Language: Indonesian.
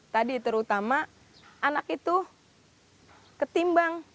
tadi terutama anak itu ketimbang